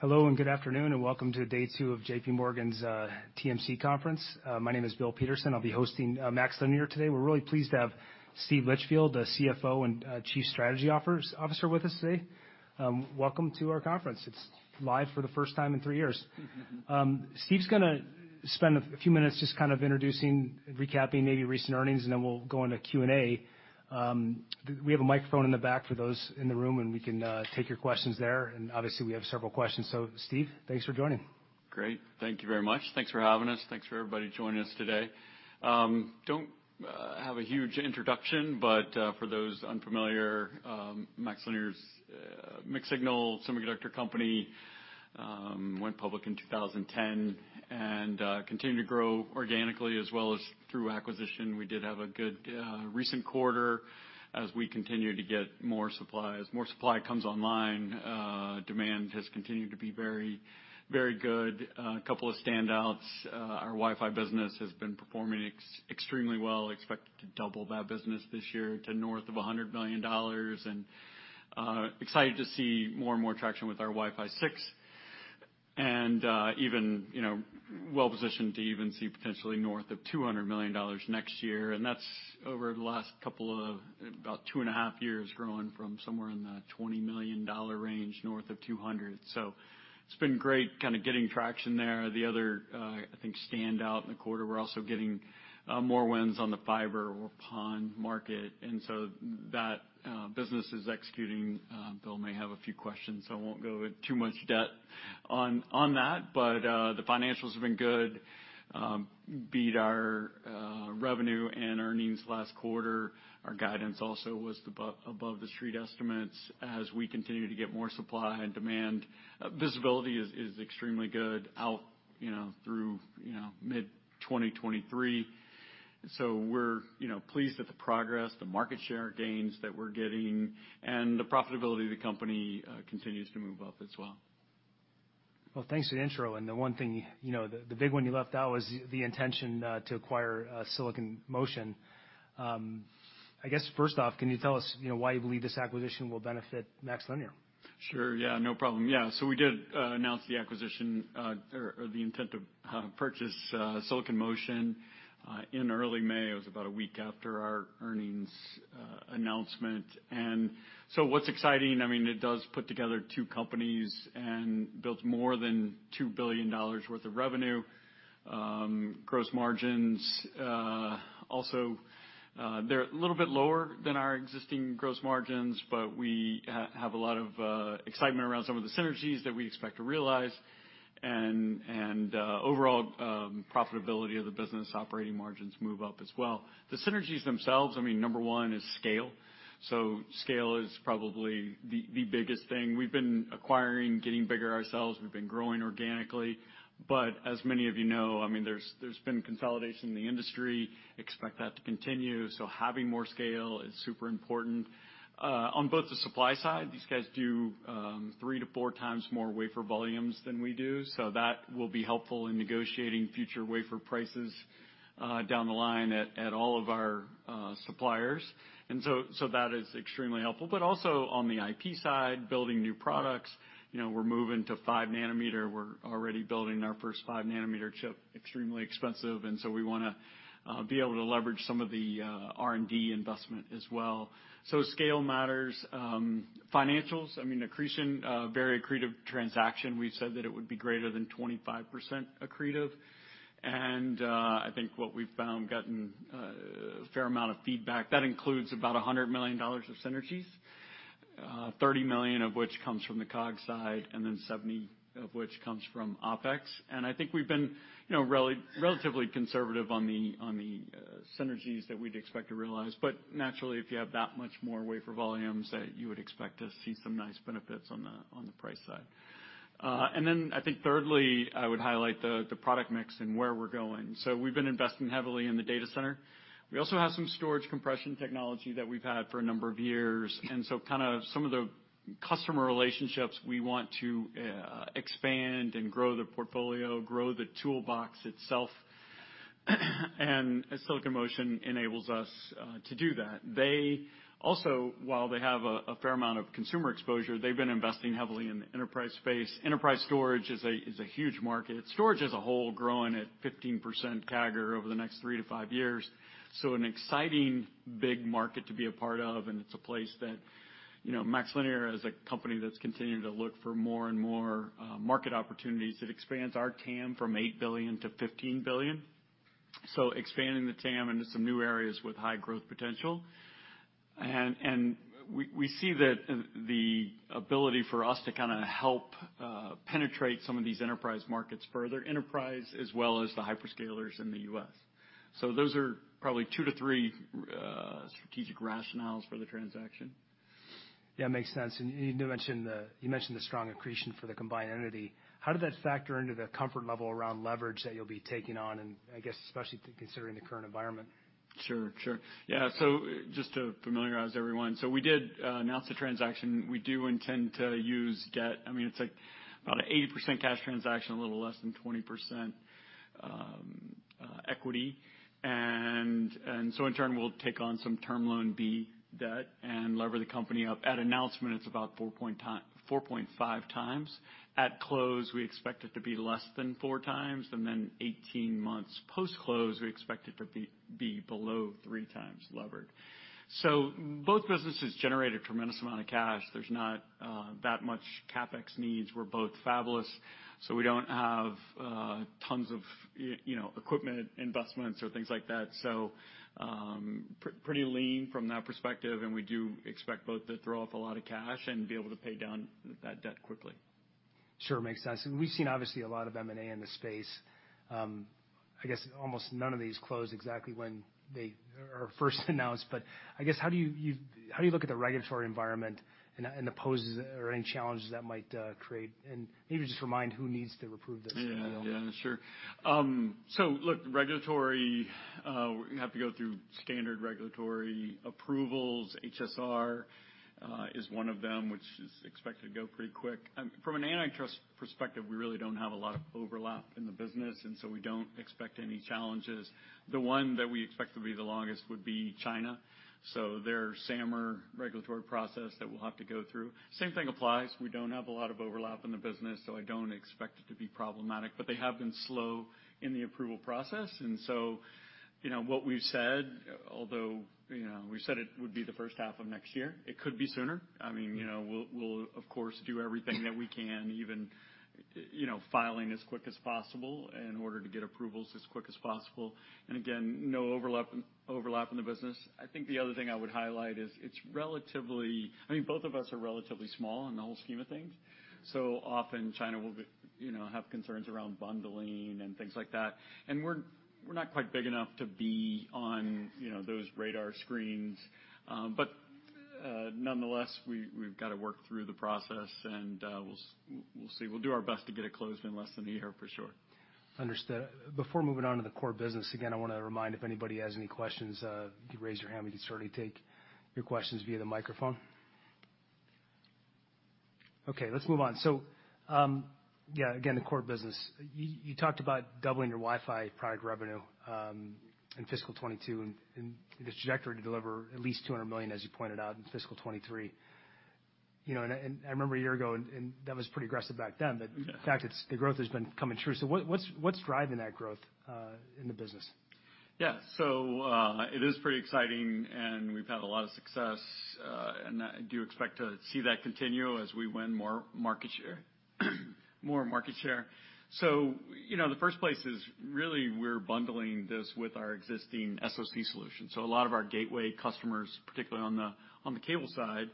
Hello, and good afternoon, and welcome to day 2 of JPMorgan's TMC Conference. My name is Bill Peterson. I'll be hosting MaxLinear today. We're really pleased to have Steven Litchfield, the CFO and Chief Strategy Officer with us today. Welcome to our conference. It's live for the first time in 3 years. Steven's gonna spend a few minutes just kind of introducing, recapping maybe recent earnings, and then we'll go into Q&A. We have a microphone in the back for those in the room, and we can take your questions there, and obviously we have several questions. Steven, thanks for joining. Great. Thank you very much. Thanks for having us. Thanks for everybody joining us today. Don't have a huge introduction, but for those unfamiliar, MaxLinear's a mixed-signal semiconductor company, went public in 2010, and continue to grow organically as well as through acquisition. We did have a good recent quarter as we continue to get more supplies. More supply comes online. Demand has continued to be very, very good. A couple of standouts, our Wi-Fi business has been performing extremely well, expect to double that business this year to north of $100 million, and excited to see more and more traction with our Wi-Fi 6. Even, you know, well-positioned to even see potentially north of $200 million next year. That's over the last couple of about 2 and a half years growing from somewhere in the $20 million range north of $200 million. It's been great kinda getting traction there. The other, I think, standout in the quarter, we're also getting more wins on the fiber or PON market, and so that business is executing. Bill may have a few questions, so I won't go in too much detail on that. The financials have been good, beat our revenue and earnings last quarter. Our guidance also was above the street estimates as we continue to get more supply-and-demand visibility. Visibility is extremely good out, you know, through mid-2023. We're, you know, pleased with the progress, the market share gains that we're getting, and the profitability of the company continues to move up as well. Well, thanks for the intro. The one thing, you know, the big one you left out was the intention to acquire Silicon Motion. I guess first off, can you tell us, you know, why you believe this acquisition will benefit MaxLinear? Sure. Yeah, no problem. Yeah. We did announce the acquisition, or the intent to purchase Silicon Motion in early May. It was about a week after our earnings announcement. What's exciting, I mean, it does put together 2 companies and builds more than $2 billion worth of revenue. Gross margins also, they're a little bit lower than our existing gross margins, but we have a lot of excitement around some of the synergies that we expect to realize, and overall profitability of the business operating margins move up as well. The synergies themselves, I mean, number one is scale. Scale is probably the biggest thing. We've been acquiring, getting bigger ourselves. We've been growing organically. As many of you know, I mean, there's been consolidation in the industry. Expect that to continue. Having more scale is super important. On both the supply side, these guys do 3-4 times more wafer volumes than we do. That will be helpful in negotiating future wafer prices down the line at all of our suppliers. That is extremely helpful. Also on the IP side, building new products, you know, we're moving to 5 nanometer. We're already building our first 5 nanometer chip, extremely expensive, and we wanna be able to leverage some of the R&D investment as well. Scale matters. Financials, I mean, accretion, very accretive transaction. We've said that it would be greater than 25% accretive. I think what we've found, gotten a fair amount of feedback. That includes about $100 million of synergies, $30 million of which comes from the COGS side and then $70 million of which comes from OpEx. I think we've been, you know, relatively conservative on the synergies that we'd expect to realize. Naturally, if you have that much more wafer volumes, you would expect to see some nice benefits on the price side. Then I think thirdly, I would highlight the product mix and where we're going. We've been investing heavily in the data center. We also have some storage compression technology that we've had for a number of years, and so kind of some of the customer relationships we want to expand and grow the portfolio, grow the toolbox itself, and Silicon Motion enables us to do that. They also, while they have a fair amount of consumer exposure, they've been investing heavily in the enterprise space. Enterprise storage is a huge market. Storage as a whole growing at 15% CAGR over the next 3-5 years. An exciting big market to be a part of, and it's a place that, you know, MaxLinear is a company that's continuing to look for more and more market opportunities. It expands our TAM from $8 billion to $15 billion, so expanding the TAM into some new areas with high growth potential. We see that the ability for us to kinda help penetrate some of these enterprise markets further, enterprise as well as the hyperscalers in the U.S. Those are probably 2-3 strategic rationales for the transaction. Yeah, it makes sense. You mentioned the strong accretion for the combined entity. How did that factor into the comfort level around leverage that you'll be taking on, and I guess especially considering the current environment? Sure. Yeah. Just to familiarize everyone, we did announce the transaction. We do intend to use debt. I mean, it's like about an 80% cash transaction, a little less than 20% equity. In turn, we'll take on some Term Loan B debt and leverage the company up. At announcement, it's about 4.5 times. At close, we expect it to be less than 4 times, and then 18 months post-close, we expect it to be below 3 times levered. Both businesses generate a tremendous amount of cash. There's not that much CapEx needs. We're both fabless, so we don't have tons of, you know, equipment investments or things like that. Pretty lean from that perspective, and we do expect both to throw off a lot of cash and be able to pay down that debt quickly. Sure. Makes sense. We've seen obviously a lot of M&A in the space. I guess almost none of these close exactly when they are first announced, but I guess, how do you look at the regulatory environment and the pose or any challenges that might create? Maybe just remind who needs to approve this deal. Yeah. Yeah, sure. Look, regulatory, we have to go through standard regulatory approvals. HSR is one of them, which is expected to go pretty quick. From an antitrust perspective, we really don't have a lot of overlap in the business, and so we don't expect any challenges. The one that we expect to be the longest would be China. Their SAMR regulatory process that we'll have to go through. Same thing applies. We don't have a lot of overlap in the business, so I don't expect it to be problematic, but they have been slow in the approval process. You know, what we've said, although, you know, we said it would be the first half of next year, it could be sooner. I mean, you know, we'll of course do everything that we can, even, you know, filing as quick as possible in order to get approvals as quick as possible. Again, no overlap in the business. I think the other thing I would highlight is it's relatively, I mean, both of us are relatively small in the whole scheme of things. Often China will be, you know, have concerns around bundling and things like that. We're not quite big enough to be on, you know, those radar screens. Nonetheless, we've gotta work through the process and we'll see. We'll do our best to get it closed in less than a year, for sure. Understood. Before moving on to the core business, again, I wanna remind if anybody has any questions, you can raise your hand. We can certainly take your questions via the microphone. Okay, let's move on. Yeah, again, the core business. You talked about doubling your Wi-Fi product revenue in fiscal 2022 and this trajectory to deliver at least $200 million, as you pointed out in fiscal 2023. You know, I remember a year ago, and that was pretty aggressive back then. Yeah. In fact, it's the growth has been coming true. What's driving that growth in the business? Yeah. It is pretty exciting, and we've had a lot of success, and I do expect to see that continue as we win more market share. You know, the first place is really we're bundling this with our existing SoC solution. A lot of our gateway customers, particularly on the cable side,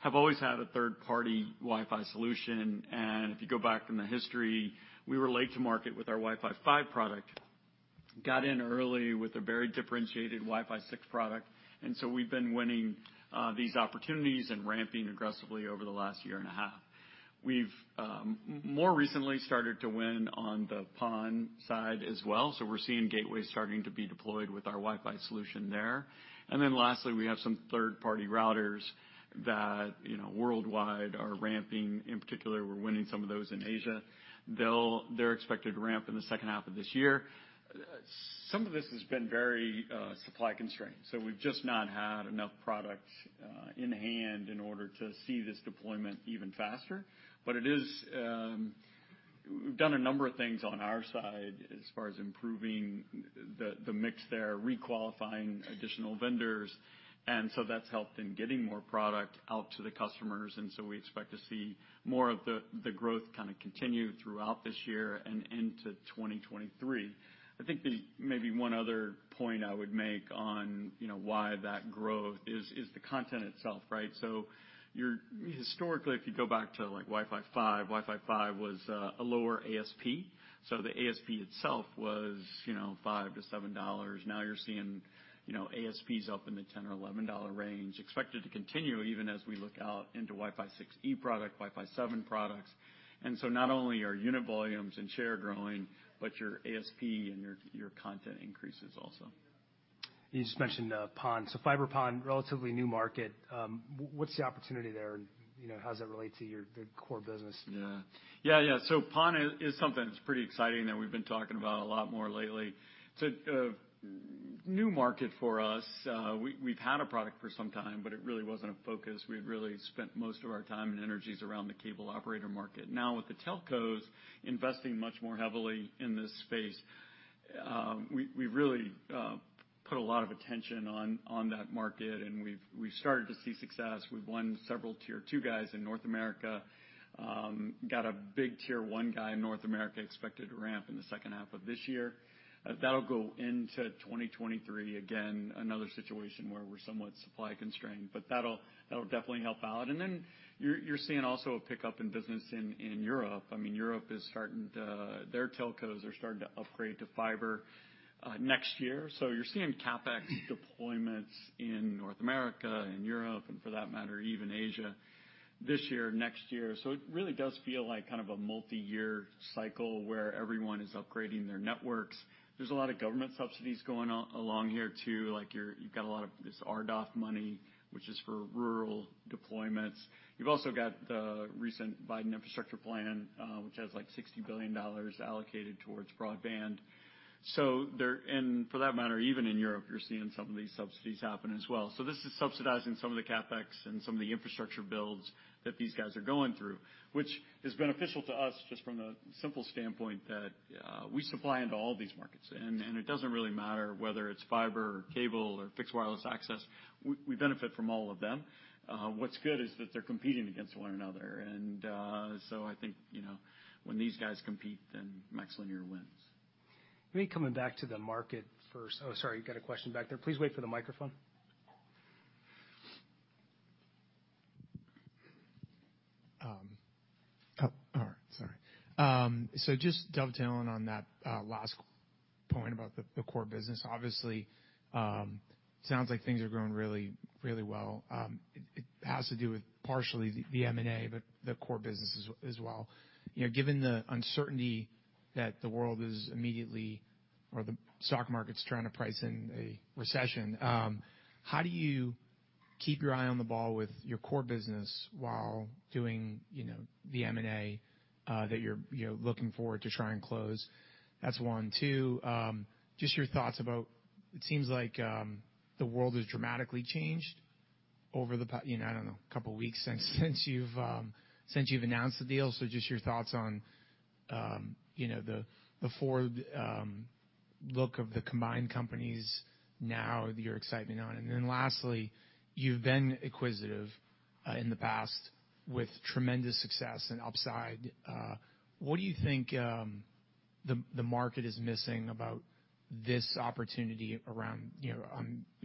have always had a 3rd party Wi-Fi solution. If you go back in the history, we were late to market with our Wi-Fi 5 product, got in early with a very differentiated Wi-Fi 6 product, and so we've been winning these opportunities and ramping aggressively over the last year and a half. We've more recently started to win on the PON side as well, so we're seeing gateways starting to be deployed with our Wi-Fi solution there. Lastly, we have some 3rd party routers that, you know, worldwide are ramping. In particular, we're winning some of those in Asia. They're expected to ramp in the second half of this year. Some of this has been very, supply constrained, so we've just not had enough product, in hand in order to see this deployment even faster. We've done a number of things on our side as far as improving the mix there, re-qualifying additional vendors, and so that's helped in getting more product out to the customers. We expect to see more of the growth kinda continue throughout this year and into 2023. I think the maybe one other point I would make on, you know, why that growth is the content itself, right? Historically, if you go back to like Wi-Fi 5, Wi-Fi 5 was a lower ASP. The ASP itself was, you know, $5-$7. Now you're seeing, you know, ASPs up in the $10-$11 range, expected to continue even as we look out into Wi-Fi 6E product, Wi-Fi 7 products. Not only are unit volumes and share growing, but your ASP and your content increases also. You just mentioned PON. Fiber PON, relatively new market. What's the opportunity there and, you know, how does that relate to the core business? Yeah. PON is something that's pretty exciting that we've been talking about a lot more lately. It's a new market for us. We've had a product for some time, but it really wasn't a focus. We'd really spent most of our time and energies around the cable operator market. Now, with the telcos investing much more heavily in this space, we really put a lot of attention on that market and we've started to see success. We've won several Tier 2 guys in North America. Got a big Tier 1 guy in North America expected to ramp in the second half of this year. That'll go into 2023. Again, another situation where we're somewhat supply constrained, but that'll definitely help out. Then you're seeing also a pickup in business in Europe. I mean, their telcos are starting to upgrade to fiber next year. You're seeing CapEx deployments in North America and Europe, and for that matter, even Asia this year, next year. It really does feel like kind of a multi-year cycle where everyone is upgrading their networks. There's a lot of government subsidies going along here too. Like you've got a lot of this RDOF money, which is for rural deployments. You've also got the recent Biden infrastructure plan, which has like $60 billion allocated towards broadband. For that matter, even in Europe, you're seeing some of these subsidies happen as well. This is subsidizing some of the CapEx and some of the infrastructure builds that these guys are going through, which is beneficial to us just from the simple standpoint that we supply into all these markets. It doesn't really matter whether it's fiber or cable or fixed wireless access, we benefit from all of them. What's good is that they're competing against one another. I think, you know, when these guys compete, then MaxLinear wins. Maybe coming back to the market first. Oh, sorry. You got a question back there. Please wait for the microphone. All right. Sorry. Just dovetailing on that last point about the core business. Obviously, sounds like things are growing really well. It has to do with partially the M&A, but the core business as well. You know, given the uncertainty the stock market's trying to price in a recession, how do you keep your eye on the ball with your core business while doing, you know, the M&A that you're, you know, looking forward to try and close? That's one. Two, just your thoughts about it seems like the world has dramatically changed over the couple weeks since you've announced the deal. Just your thoughts on, you know, the forward look of the combined companies now that you're closing on. Lastly, you've been acquisitive in the past with tremendous success and upside. What do you think the market is missing about this opportunity around, you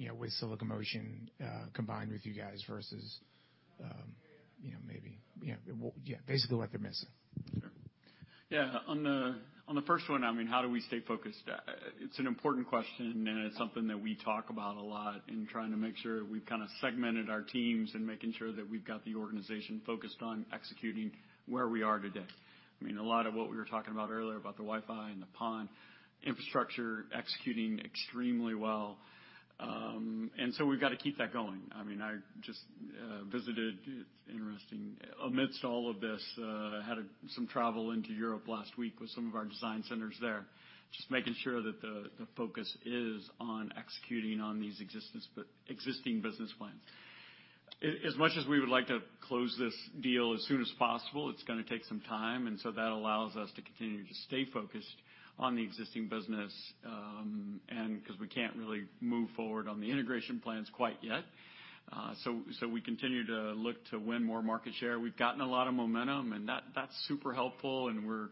know, with Silicon Motion combined with you guys versus, you know, maybe, basically what they're missing. Sure. Yeah, on the first one, I mean, how do we stay focused? It's an important question, and it's something that we talk about a lot in trying to make sure we've kinda segmented our teams and making sure that we've got the organization focused on executing where we are today. I mean, a lot of what we were talking about earlier about the Wi-Fi and the PON infrastructure executing extremely well. We've gotta keep that going. I mean, I just visited. It's interesting. Amidst all of this, I had some travel into Europe last week with some of our design centers there, just making sure that the focus is on executing on these existing business plans. As much as we would like to close this deal as soon as possible, it's gonna take some time, and that allows us to continue to stay focused on the existing business, and because we can't really move forward on the integration plans quite yet. We continue to look to win more market share. We've gotten a lot of momentum, and that's super helpful, and we're,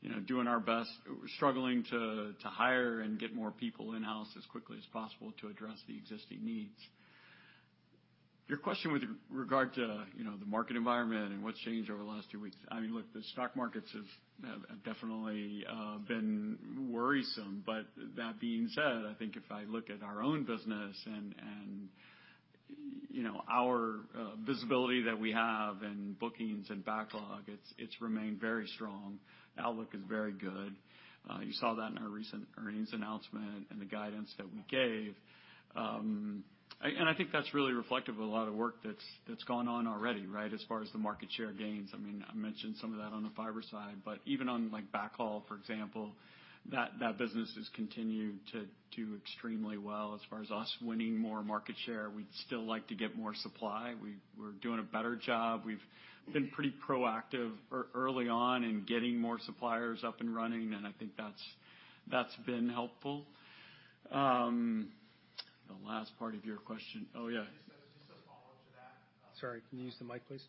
you know, doing our best. We're struggling to hire and get more people in-house as quickly as possible to address the existing needs. Your question with regard to, you know, the market environment and what's changed over the last 2 weeks, I mean, look, the stock markets have definitely been worrisome. That being said, I think if I look at our own business and you know, our visibility that we have and bookings and backlog, it's remained very strong. Outlook is very good. You saw that in our recent earnings announcement and the guidance that we gave. And I think that's really reflective of a lot of work that's gone on already, right? As far as the market share gains. I mean, I mentioned some of that on the fiber side, but even on like backhaul, for example, that business has continued to do extremely well. As far as us winning more market share, we'd still like to get more supply. We're doing a better job. We've been pretty proactive early on in getting more suppliers up and running, and I think that's been helpful. The last part of your question. Oh, yeah. Just a follow-up to that. Sorry, can you use the mic, please?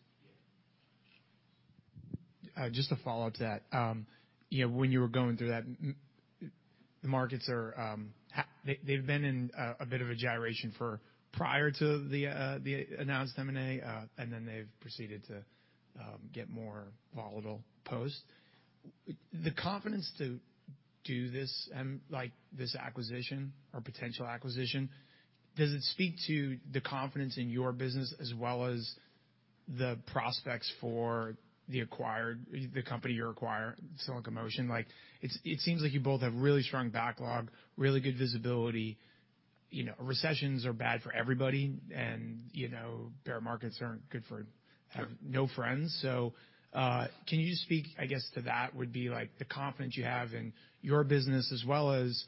Yeah. Just a follow-up to that. You know, when you were going through that, the markets are, they've been in a bit of a gyration for prior to the announced M&A, and then they've proceeded to get more volatile post. The confidence to do this, like this acquisition or potential acquisition, does it speak to the confidence in your business as well as the prospects for the acquired company you're acquiring, Silicon Motion? Like, it seems like you both have really strong backlog, really good visibility. You know, recessions are bad for everybody and, you know, bear markets aren't good for- Sure. Can you just speak, I guess, to that would be like the confidence you have in your business as well as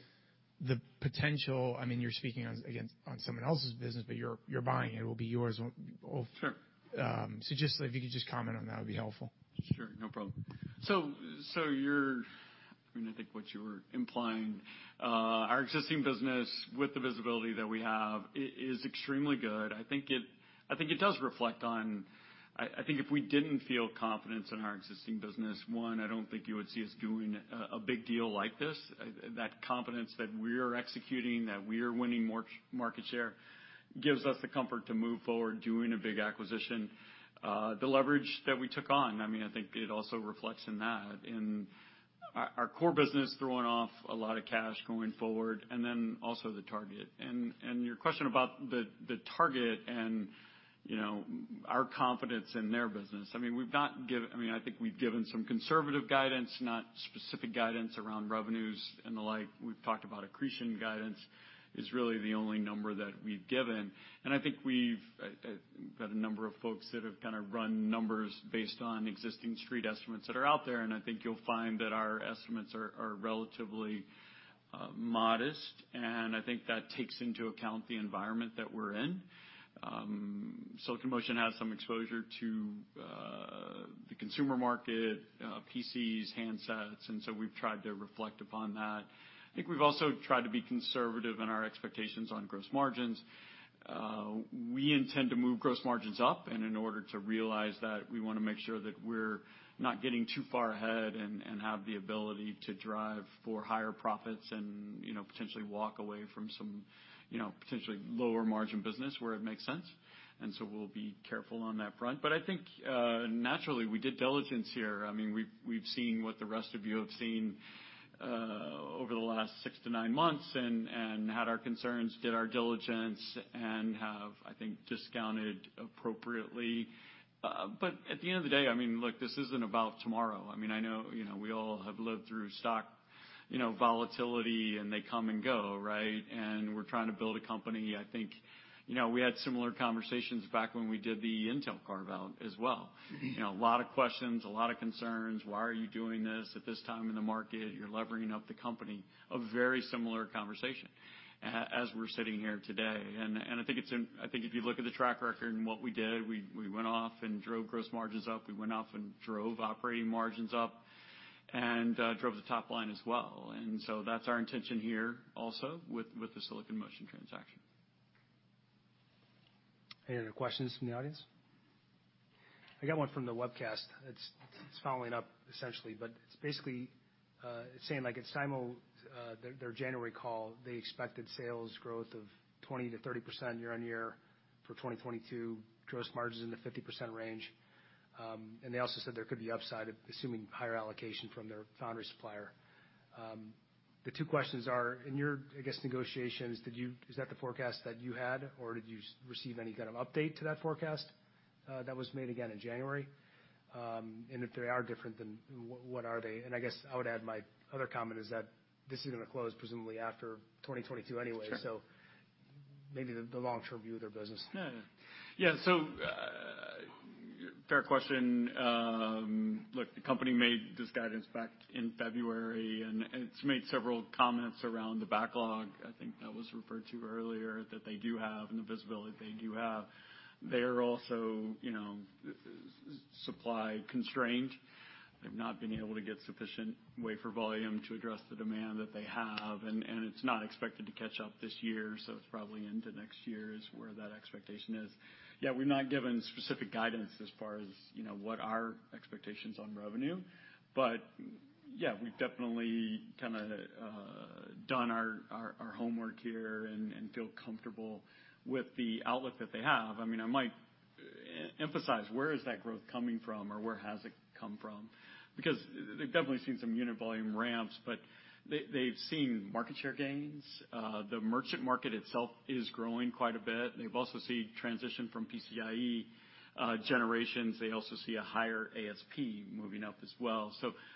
the potential. I mean, you're speaking on, again, on someone else's business, but you're buying it. It will be yours. Sure. Just if you could just comment on that would be helpful. Sure. No problem. I think what you're implying, our existing business with the visibility that we have is extremely good. I think it does reflect. I think if we didn't feel confidence in our existing business, one, I don't think you would see us doing a big deal like this. That confidence that we're executing, that we're winning more market share gives us the comfort to move forward doing a big acquisition. The leverage that we took on, I mean, I think it also reflects in that, in our core business throwing off a lot of cash going forward and then also the target. Your question about the target and, you know, our confidence in their business. I mean, I think we've given some conservative guidance, not specific guidance around revenues and the like. We've talked about accretion guidance is really the only number that we've given, and I think we've got a number of folks that have kinda run numbers based on existing Street estimates that are out there. I think you'll find that our estimates are relatively modest. I think that takes into account the environment that we're in. Silicon Motion has some exposure to the consumer market, PCs, handsets, and so we've tried to reflect upon that. I think we've also tried to be conservative in our expectations on gross margins. We intend to move gross margins up, and in order to realize that, we wanna make sure that we're not getting too far ahead and have the ability to drive for higher profits and, you know, potentially walk away from some, you know, potentially lower margin business where it makes sense. We'll be careful on that front. I think naturally, we did diligence here. I mean, we've seen what the rest of you have seen over the last 6-9 months and had our concerns, did our diligence, and have, I think, discounted appropriately. At the end of the day, I mean, look, this isn't about tomorrow. I mean, I know, you know, we all have lived through stock, you know, volatility, and they come and go, right? We're trying to build a company. I think, you know, we had similar conversations back when we did the Intel carve-out as well. You know, a lot of questions, a lot of concerns. Why are you doing this at this time in the market? You're levering up the company. A very similar conversation as we're sitting here today. I think if you look at the track record and what we did, we went off and drove gross margins up. We went off and drove operating margins up and drove the top line as well. That's our intention here also with the Silicon Motion transaction. Any other questions from the audience? I got one from the webcast. It's following up essentially, but it's basically saying like at Silicon Motion, their January call, they expected sales growth of 20%-30% year-over-year for 2022, gross margins in the 50% range. They also said there could be upside, assuming higher allocation from their foundry supplier. The 2 questions are, in your, I guess, negotiations, is that the forecast that you had, or did you receive any kind of update to that forecast that was made again in January? And if they are different, then what are they? I guess I would add my other comment is that this is gonna close presumably after 2022 anyway. Sure. Maybe the long-term view of their business. Yeah, yeah. Yeah. Fair question. Look, the company made this guidance back in February, and it's made several comments around the backlog, I think that was referred to earlier, that they do have, and the visibility they do have. They're also, you know, supply constrained. They've not been able to get sufficient wafer volume to address the demand that they have, and it's not expected to catch up this year, so it's probably into next year is where that expectation is. Yeah, we've not given specific guidance as far as, you know, what are expectations on revenue. Yeah, we've definitely kinda done our homework here and feel comfortable with the outlook that they have. I mean, I might emphasize where is that growth coming from or where has it come from, because they've definitely seen some unit volume ramps, but they've seen market share gains. The merchant market itself is growing quite a bit. They've also seen transition from PCIE generations. They also see a higher ASP moving up as well.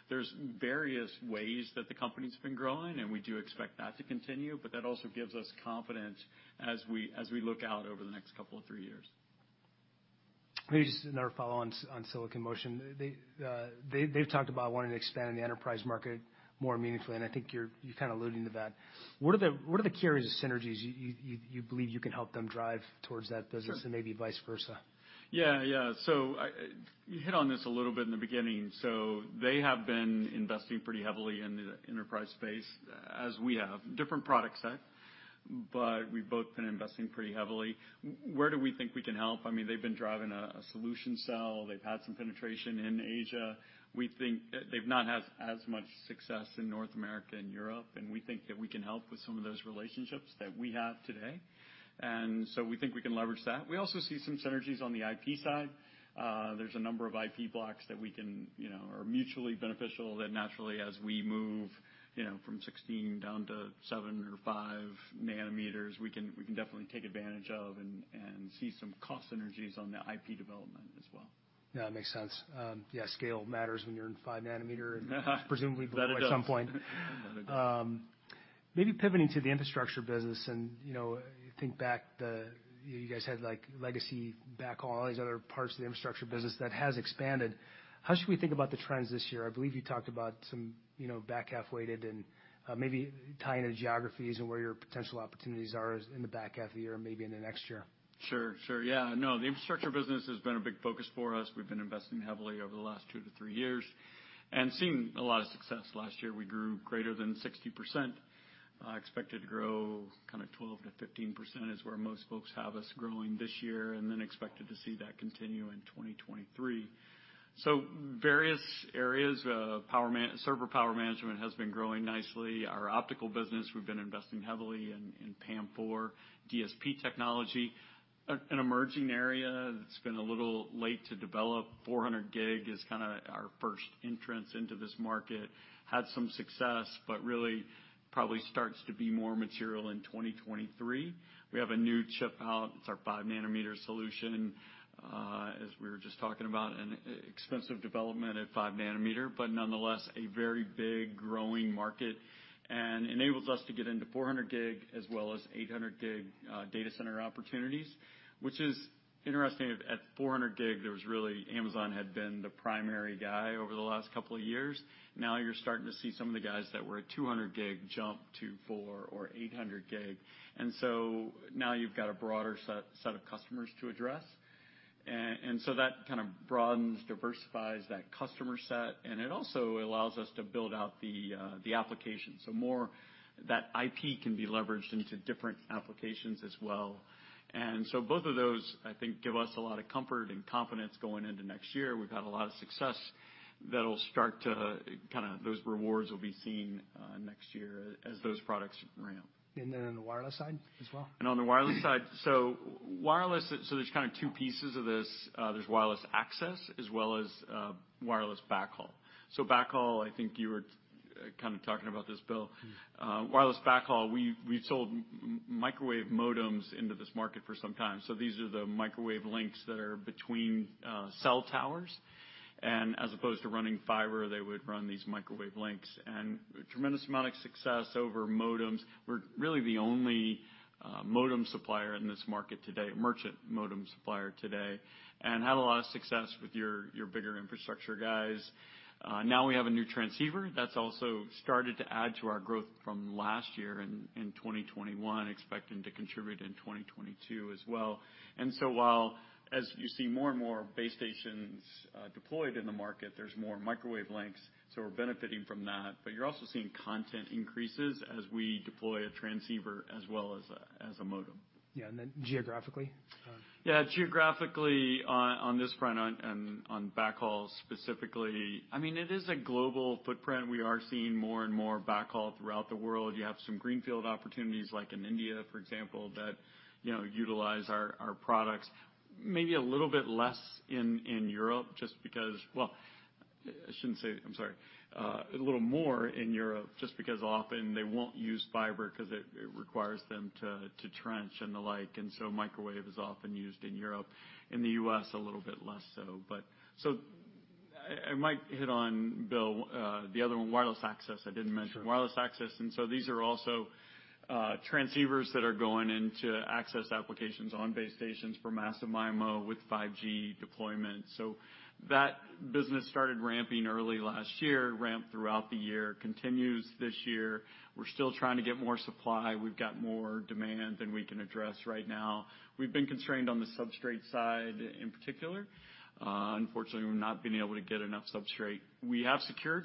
There's various ways that the company's been growing, and we do expect that to continue, but that also gives us confidence as we look out over the next couple of 3 years. Maybe just another follow on Silicon Motion. They've talked about wanting to expand in the enterprise market more meaningfully, and I think you're kinda alluding to that. What are the carriers of synergies you believe you can help them drive towards that business? Sure. Maybe vice versa? Yeah, yeah. I, you hit on this a little bit in the beginning. They have been investing pretty heavily in the enterprise space as we have. Different product set, but we've both been investing pretty heavily. Where do we think we can help? I mean, they've been driving a solution sell. They've had some penetration in Asia. We think they've not had as much success in North America and Europe, and we think that we can help with some of those relationships that we have today. We think we can leverage that. We also see some synergies on the IP side. There's a number of IP blocks that we can, you know, are mutually beneficial that naturally as we move, you know, from 16 down to 7 or 5 nanometers, we can definitely take advantage of and see some cost synergies on the IP development as well. Yeah, makes sense. Yeah, scale matters when you're in 5 nanometer- That it does. Presumably will at some point. Maybe pivoting to the infrastructure business and, you know, think back, the, you guys had like legacy backhaul and all these other parts of the infrastructure business that has expanded. How should we think about the trends this year? I believe you talked about some, you know, back half weighted and, maybe tying the geographies and where your potential opportunities are is in the back half of the year or maybe in the next year. Sure, sure. Yeah, no, the infrastructure business has been a big focus for us. We've been investing heavily over the last 2-3 years and seen a lot of success. Last year, we grew greater than 60%. Expected to grow kinda 12%-15% is where most folks have us growing this year, and then expected to see that continue in 2023. Various areas, server power management has been growing nicely. Our optical business, we've been investing heavily in PAM4, DSP technology. An emerging area that's been a little late to develop, 400 gig is kinda our first entrance into this market. Had some success, but really probably starts to be more material in 2023. We have a new chip out, it's our 5 nanometer solution, as we were just talking about, an expensive development at 5 nanometer, but nonetheless a very big growing market and enables us to get into 400 gig as well as 800 gig data center opportunities. Which is interesting, at 400 gig, there was really Amazon had been the primary guy over the last couple of years. Now you're starting to see some of the guys that were at 200 gig jump to 400 or 800 gig. Now you've got a broader set of customers to address. That kind of broadens, diversifies that customer set, and it also allows us to build out the application. That IP can be leveraged into different applications as well. Both of those, I think, give us a lot of comfort and confidence going into next year. We've had a lot of success that'll start to kind of those rewards will be seen next year as those products ramp. on the wireless side as well? On the wireless side, wireless, there's kind of 2 pieces of this. There's wireless access as well as wireless backhaul. Backhaul, I think you were kind of talking about this, Bill. Wireless backhaul, we've sold microwave modems into this market for some time. These are the microwave links that are between cell towers. As opposed to running fiber, they would run these microwave links. Tremendous amount of success over modems. We're really the only modem supplier in this market today, merchant modem supplier today, and had a lot of success with your bigger infrastructure guys. Now we have a new transceiver that's also started to add to our growth from last year in 2021, expecting to contribute in 2022 as well. While as you see more and more base stations deployed in the market, there's more microwave links, so we're benefiting from that. You're also seeing content increases as we deploy a transceiver as well as a modem. Yeah. Geographically? Yeah. Geographically on this front, on backhauls specifically, I mean, it is a global footprint. We are seeing more and more backhaul throughout the world. You have some greenfield opportunities like in India, for example, that you know utilize our products. Maybe a little more in Europe just because often they won't use fiber because it requires them to trench and the like. Microwave is often used in Europe. In the U.S., a little bit less so. I might hit on, Bill, the other one, wireless access. I didn't mention wireless access. These are also transceivers that are going into access applications on base stations for Massive MIMO with 5G deployment. That business started ramping early last year, ramped throughout the year, continues this year. We're still trying to get more supply. We've got more demand than we can address right now. We've been constrained on the substrate side in particular. Unfortunately, we've not been able to get enough substrate. We have secured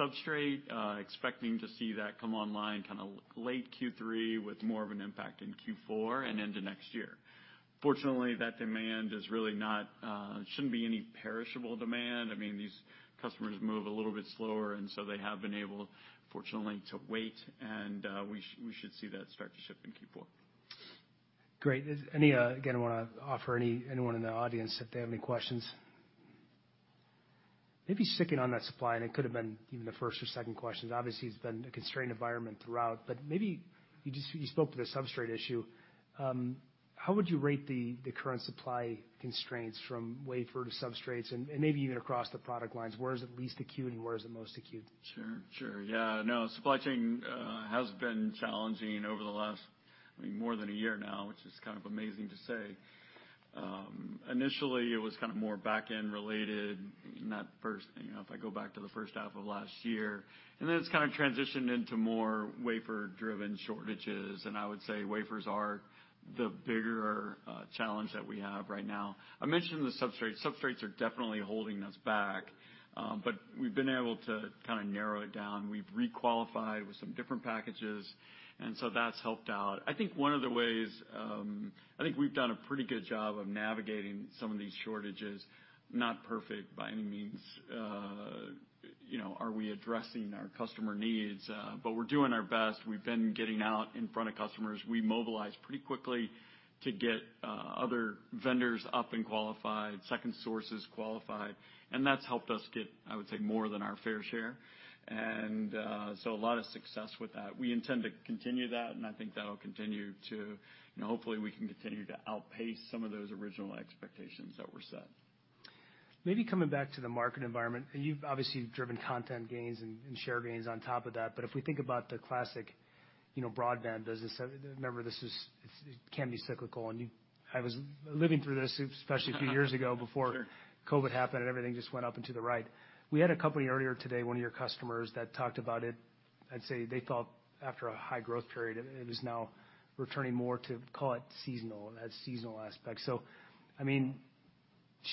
substrate, expecting to see that come online kind of late Q3 with more of an impact in Q4 and into next year. Fortunately, that demand is really not, shouldn't be any perishable demand. I mean, these customers move a little bit slower, and so they have been able, fortunately, to wait, and we should see that start to ship in Q4. Great. Again, I wanna offer anyone in the audience if they have any questions. Maybe sticking on that supply, and it could have been even the first or second question. Obviously, it's been a constrained environment throughout. Maybe you spoke to the substrate issue. How would you rate the current supply constraints from wafer to substrates and maybe even across the product lines? Where is it least acute and where is it most acute? Sure. Yeah. No. Supply chain has been challenging over the last, I mean, more than a year now, which is kind of amazing to say. Initially, it was kind of more back-end related, not first, you know, if I go back to the first half of last year, and then it's kind of transitioned into more wafer-driven shortages. I would say wafers are the bigger challenge that we have right now. I mentioned the substrates. Substrates are definitely holding us back, but we've been able to kind of narrow it down. We've requalified with some different packages, and so that's helped out. I think one of the ways, I think we've done a pretty good job of navigating some of these shortages, not perfect by any means, you know, are we addressing our customer needs? But we're doing our best. We've been getting out in front of customers. We mobilize pretty quickly to get other vendors up and qualified, second sources qualified, and that's helped us get, I would say, more than our fair share. A lot of success with that. We intend to continue that, and I think that'll continue to, you know, hopefully, we can continue to outpace some of those original expectations that were set. Maybe coming back to the market environment, you've obviously driven content gains and share gains on top of that. If we think about the classic, you know, broadband business, remember this is, it can be cyclical. I was living through this, especially a few years ago before.... COVID happened, and everything just went up and to the right. We had a company earlier today, one of your customers that talked about it. I'd say they thought after a high growth period, it is now returning more to call it seasonal, that seasonal aspect. I mean,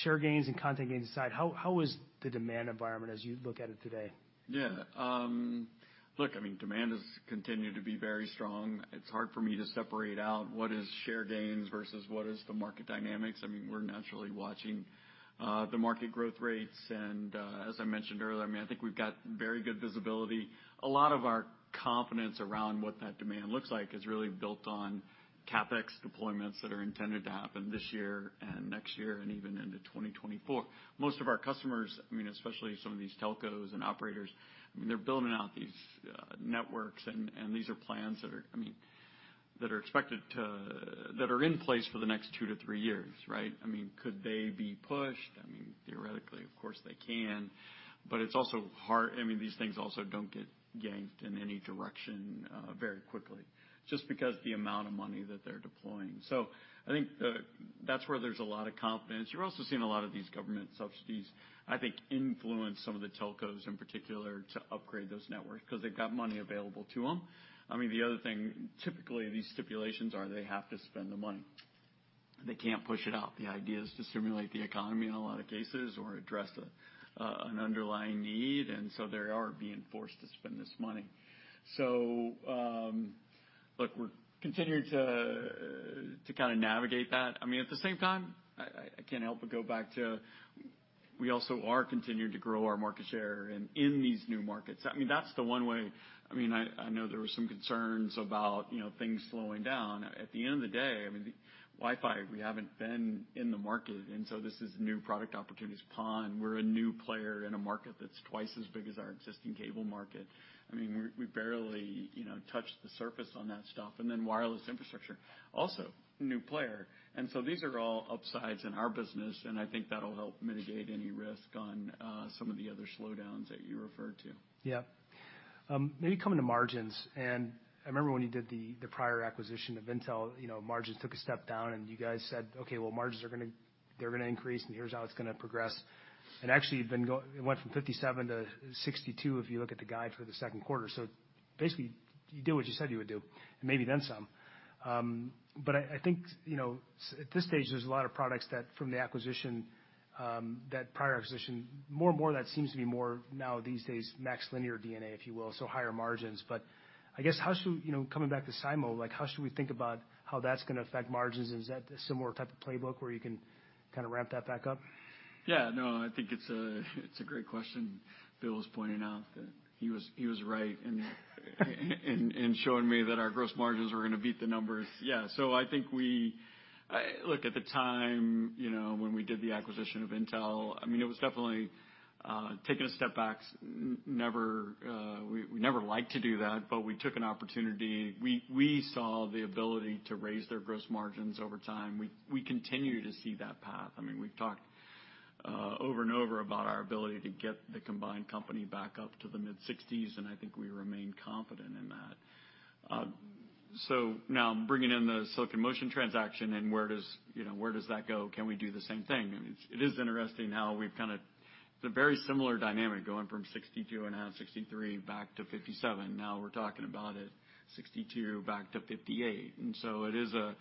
share gains and content gains aside, how is the demand environment as you look at it today? Yeah. Look, I mean, demand has continued to be very strong. It's hard for me to separate out what is share gains versus what is the market dynamics. I mean, we're naturally watching the market growth rates. As I mentioned earlier, I mean, I think we've got very good visibility. A lot of our confidence around what that demand looks like is really built on CapEx deployments that are intended to happen this year and next year and even into 2024. Most of our customers, I mean, especially some of these telcos and operators, I mean, they're building out these networks, and these are plans that are in place for the next 2 to 3 years, right? I mean, could they be pushed? I mean, theoretically, of course, they can, but it's also hard. I mean, these things also don't get yanked in any direction very quickly just because the amount of money that they're deploying. I think that's where there's a lot of confidence. You're also seeing a lot of these government subsidies, I think, influence some of the telcos in particular to upgrade those networks because they've got money available to them. I mean, the other thing, typically these stipulations are they have to spend the money. They can't push it out. The idea is to stimulate the economy in a lot of cases or address an underlying need, and they are being forced to spend this money. Look, we're continuing to kinda navigate that. I mean, at the same time, I can't help but go back to we also are continuing to grow our market share and in these new markets. I mean, that's the one way. I mean, I know there were some concerns about, you know, things slowing down. At the end of the day, I mean, the Wi-Fi, we haven't been in the market, and so this is new product opportunities. PON, we're a new player in a market that's twice as big as our existing cable market. I mean, we barely, you know, touched the surface on that stuff. Wireless infrastructure, also a new player. These are all upsides in our business, and I think that'll help mitigate any risk on some of the other slowdowns that you referred to. Yeah. Maybe coming to margins, and I remember when you did the prior acquisition of Intel, you know, margins took a step down and you guys said, "Okay, well, margins are gonna increase, and here's how it's gonna progress." Actually, it went from 57%-62%, if you look at the guide for the second quarter. Basically, you did what you said you would do and maybe then some. I think, you know, at this stage, there's a lot of products that from the acquisition, that prior acquisition, more and more of that seems to be more now these days MaxLinear DNA, if you will, so higher margins. I guess, you know, coming back to SIMO, like how should we think about how that's gonna affect margins? Is that a similar type of playbook where you can kinda ramp that back up? Yeah, no, I think it's a great question. Bill was pointing out that he was right in showing me that our gross margins were gonna beat the numbers. Yeah, so I think we look at the time, you know, when we did the acquisition of Intel. I mean, it was definitely taking a step back. Never, we never liked to do that, but we took an opportunity. We saw the ability to raise their gross margins over time. We continue to see that path. I mean, we've talked over and over about our ability to get the combined company back up to the mid 60's, and I think we remain confident in that. So now bringing in the Silicon Motion transaction and where does that go, you know? Can we do the same thing? I mean, it is interesting how we've kind of. It's a very similar dynamic going from 62.5%, 63% back to 57%. Now we're talking about 62% back to 58%. It is a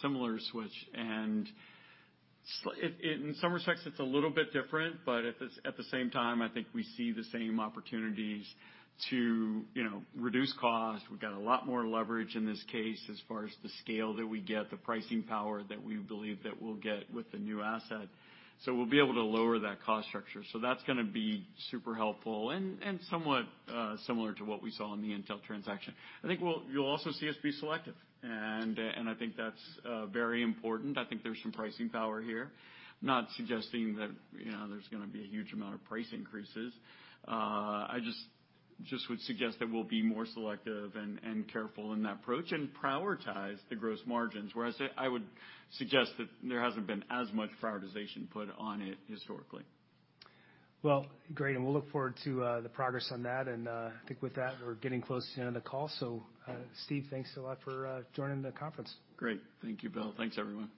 similar switch. In some respects, it's a little bit different, but at the same time, I think we see the same opportunities to, you know, reduce cost. We've got a lot more leverage in this case as far as the scale that we get, the pricing power that we believe that we'll get with the new asset. We'll be able to lower that cost structure. That's gonna be super helpful and somewhat similar to what we saw in the Intel transaction. I think you'll also see us be selective, and I think that's very important. I think there's some pricing power here. Not suggesting that, you know, there's gonna be a huge amount of price increases. I just would suggest that we'll be more selective and careful in that approach and prioritize the gross margins, whereas I would suggest that there hasn't been as much prioritization put on it historically. Well, great, and we'll look forward to the progress on that. I think with that, we're getting close to the end of the call. Steve, thanks a lot for joining the conference. Great. Thank you, Bill. Thanks, everyone.